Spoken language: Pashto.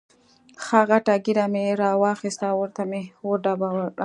ښه غټه تیږه مې را واخسته او ورته مې یې وډباړه.